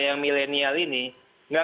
yang milenial ini tidak